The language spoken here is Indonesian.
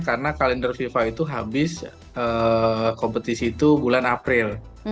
karena kalender fifa itu habis kompetisi itu bulan april